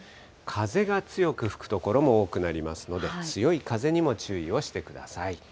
風が強く吹く所も多くなりますので、強い風にも注意をしてください。